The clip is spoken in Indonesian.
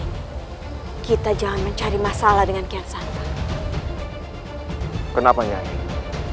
aku bisa men coisa bsa tadi pak ibu